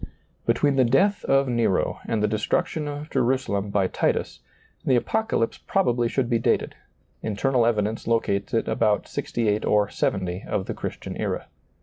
Between the death of Nero and the destruction of Jerusalem by Titus, the Apocalypse probably should be dated ; internal evidence locates it about 68 or 70 of the Christian era.